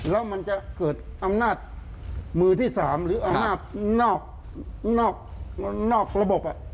แล้วมันจะเกิดอำนาจมือที่๓หรืออำนาจนอกระบบ